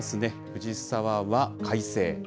藤沢は快晴。